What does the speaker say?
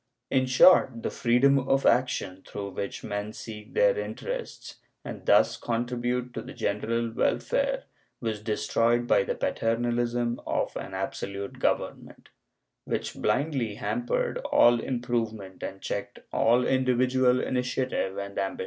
In short, the freedom of action through which men seek their interests, and thus contribute to the general welfare, was destroyed by the paternalism of an absolute government, which blindly hampered all improvement and checked all individual initiative and ambition.